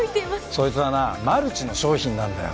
そいつはなマルチの商品なんだよ。